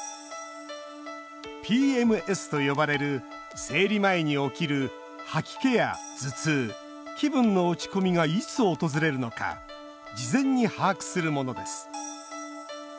ＰＭＳと呼ばれる生理前に起きる吐き気や頭痛気分の落ち込みがいつ訪れるのか事前に把握するものです。